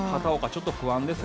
ちょっと不安です。